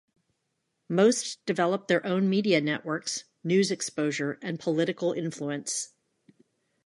Most developed their own media networks, news exposure, and political influence.